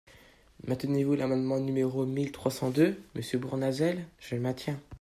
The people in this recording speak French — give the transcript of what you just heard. Maintenez-vous l’amendement numéro mille trois cent deux, monsieur Bournazel ? Je le maintiens.